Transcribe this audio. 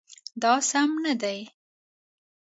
دا سم نه دی